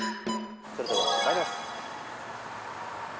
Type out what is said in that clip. それではまいります。